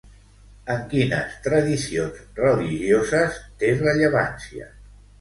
En quines tradicions religioses té rellevància?